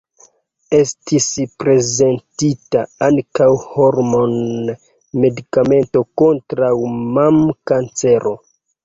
Estis prezentita ankaŭ hormon-medikamento kontraŭ mamkancero.